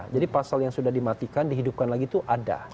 pasal yang sudah dimatikan dihidupkan lagi itu ada